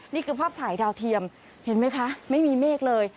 นี่คือภาพถ่ายดาวเทียมเห็นไหมคะไม่มีเมฆเลย